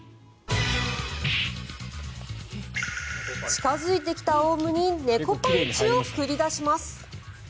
近付いてきたオウムに猫パンチを繰り出します。